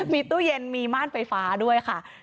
มีตู้เย็นมีม่านไฟฟ้าด้วยค่ะ